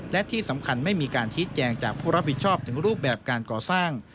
และที่สำคัญไม่มีการชี้แจงจากผู้รับผิดชอบถึงรูปแบบการก่อสร้าง